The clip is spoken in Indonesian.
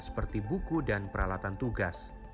seperti buku dan peralatan tugas